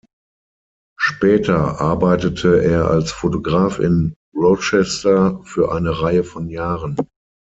Später arbeitete er als Fotograf in Rochester für eine Reihe von Jahren.